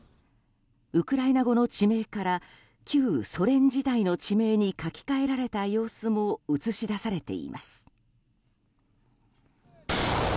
ウクライナ語の地名から旧ソ連時代の地名にかけ替えられた様子も映し出されています。